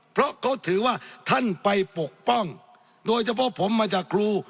เพราะเขาถือว่าท่านไปปกป้องโดยเฉพาะผมมาจากครู